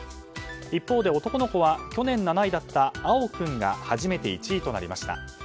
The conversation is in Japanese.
一方、男の子は去年７位だった碧君が初めて１位となりました。